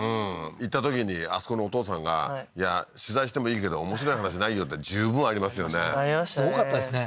行ったときにあそこのお父さんがいや取材してもいいけど面白い話ないよって十分ありますよねありましたねすごかったですね